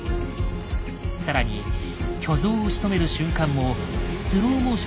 更に巨像をしとめる瞬間もスローモーションで生々しく